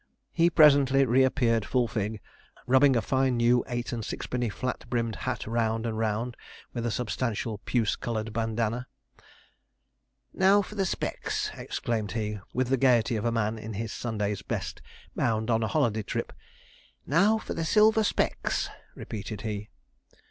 He presently reappeared full fig, rubbing a fine new eight and sixpenny flat brimmed hat round and round with a substantial puce coloured bandana. 'Now for the specs!' exclaimed he, with the gaiety of a man in his Sunday's best, bound on a holiday trip. 'Now for the silver specs!' repeated he.